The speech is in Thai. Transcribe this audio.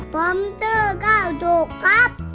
ผมชื่อก้าวสุกครับ